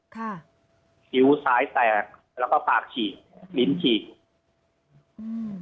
คิ้วซ้ายแตกแล้วก็ปากฉีกลิ้นฉีกอืม